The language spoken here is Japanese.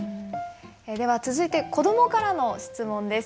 では続いて子どもからの質問です。